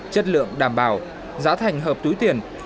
chất lượng đảm bảo giá thành hợp túi tiền